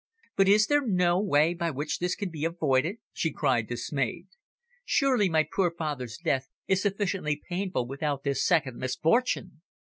"But is there no way by which this can be avoided?" she cried, dismayed. "Surely my poor father's death is sufficiently painful without this second misfortune!"